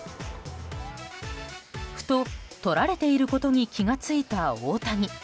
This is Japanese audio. ふと撮られていることに気が付いた大谷。